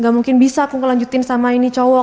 gak mungkin bisa aku ngelanjutin sama ini cowok